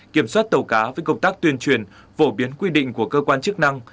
kiểm soát tàu cá với công tác tuyên truyền phổ biến quy định của cơ quan chức năng